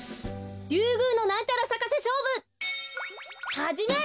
リュウグウのなんちゃらさかせしょうぶはじめ！